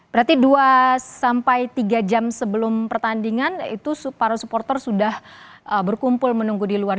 berarti dua sampai tiga jam sebelum pertandingan itu para supporter sudah berkumpul menunggu di luar